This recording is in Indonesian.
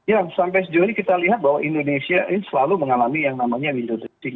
ya sampai sejauh ini kita lihat bahwa indonesia ini selalu mengalami yang namanya window dressing